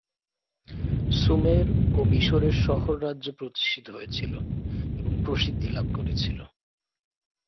সুমের ও মিশরের শহর রাজ্য প্রতিষ্ঠিত হয়েছিল এবং প্রসিদ্ধি লাভ করেছিল।